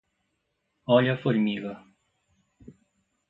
Olhe a formiga